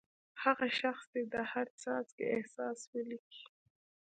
هغه شخص دې د هر څاڅکي احساس ولیکي.